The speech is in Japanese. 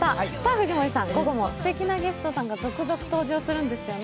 藤森さん、午後もすてきなゲストさんが続々登場するんですよね。